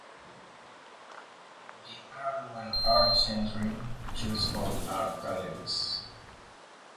The Araluen Arts Centre features four art galleries.